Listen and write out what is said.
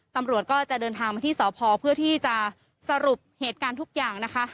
ตำรวจก็จะเดินทางมาที่สพเพื่อที่จะสรุปเหตุการณ์ทุกอย่างนะคะ